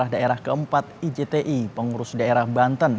dan di daerah keempat ijti pengurus daerah banten